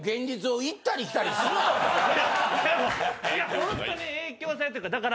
ホントに影響されてるから！